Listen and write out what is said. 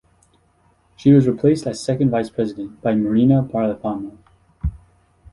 She was replaced as Second Vice-President by Marina Barapama.